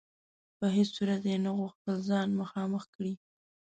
په هیڅ صورت یې نه غوښتل ځان مخامخ کړي.